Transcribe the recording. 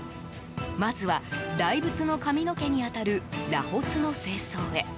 まずは大仏の髪の毛に当たる螺髪の清掃へ。